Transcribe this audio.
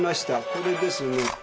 これですねえ。